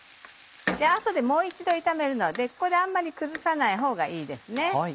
後でもう一度炒めるのでここであんまり崩さないほうがいいですね。